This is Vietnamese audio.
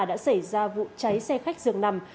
đã xảy ra vụ cháy xe khách dường nằm